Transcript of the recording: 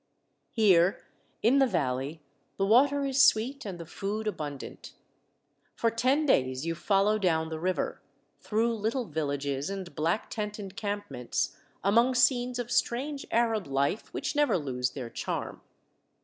Here in the valley the water is sweet and the food abundant. For ten days you follow down the river, through little villages and black tent en campments, among scenes of strange Arab life which never lose their charm.